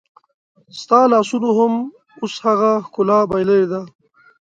ستا لاسونو هم اوس هغه ښکلا بایللې ده